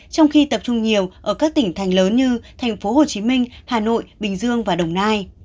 trong khi tập trung nhiều ở các tỉnh thành lớn như thành phố hồ chí minh hà nội bình dương và đồng nai